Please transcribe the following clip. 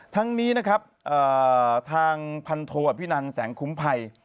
ทั้งนี้นะครับทางพันโทอภินันแสงคุ้มภัย